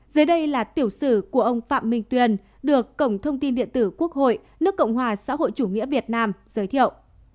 dưới đây là tiểu sử của ông phạm minh tuyền được cổng thông tin điện tử quốc hội nước cộng hòa xã hội chủ nghĩa việt nam giới thiệu